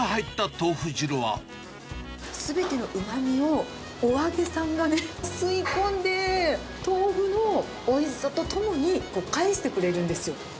すべてのうまみを、お揚げさんがね、吸い込んで、豆腐のおいしさとともに、返してくれるんですよ。